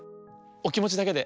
おきもちだけで。